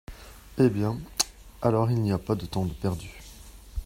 Et bien ! alors, il n’y a pas de temps de perdu…